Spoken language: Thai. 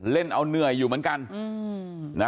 เล่นเอาเหนื่อยอยู่เหมือนกัน